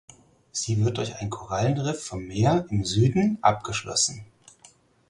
Sie wird durch ein Korallenriff vom Meer im Süden abgeschlossen.